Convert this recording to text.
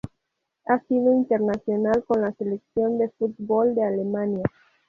Ha sido internacional con la selección de fútbol de Alemania.